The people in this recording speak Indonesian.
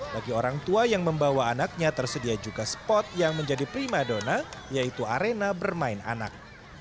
bagi orang tua yang membawa anaknya tersedia juga spot yang menjadi prima dona yaitu arena bermain anak